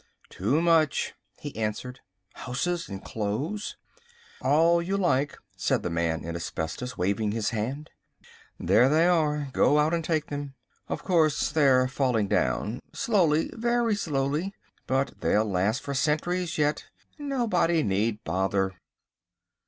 "Too much," he answered. "Houses and clothes?" "All you like," said the Man in Asbestos, waving his hand. "There they are. Go out and take them. Of course, they're falling down— slowly, very slowly. But they'll last for centuries yet, nobody need bother."